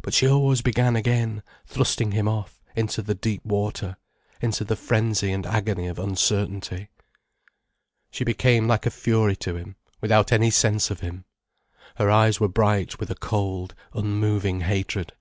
But she always began again, thrusting him off, into the deep water, into the frenzy and agony of uncertainty. She became like a fury to him, without any sense of him. Her eyes were bright with a cold, unmoving hatred.